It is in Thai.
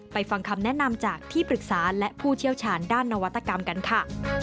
ฟังคำแนะนำจากที่ปรึกษาและผู้เชี่ยวชาญด้านนวัตกรรมกันค่ะ